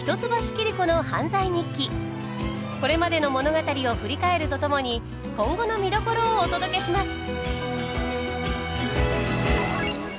これまでの物語を振り返るとともに今後の見どころをお届けします！